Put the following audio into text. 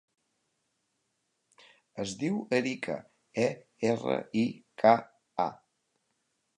Es diu Erika: e, erra, i, ca, a.